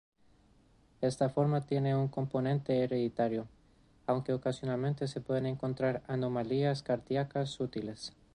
Esta forma tiene un componente hereditario, aunque ocasionalmente se pueden encontrar anomalías cardíacas sutiles.